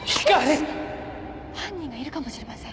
犯人がいるかもしれません。